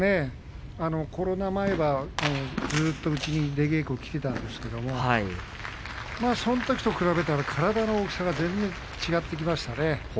コロナ前はずっとうちに出稽古に来ていたんですけれどもそのときと比べたら体の大きさが全然違ってきましたね。